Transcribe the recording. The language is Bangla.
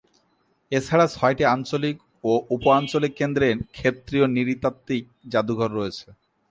এছাড়া ছয়টি আঞ্চলিক ও উপ-আঞ্চলিক কেন্দ্রে ক্ষেত্রীয় নৃতাত্ত্বিক জাদুঘর রয়েছে।